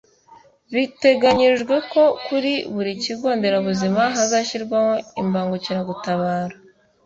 biteganyijwe ko kuri buri kigo nderabuzima hazashyirwaho imbangukiragutabara